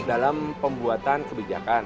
dalam pembuatan kebijakan